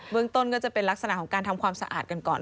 เมืองต้นก็จะเป็นลักษณะของการทำความสะอาดกันก่อน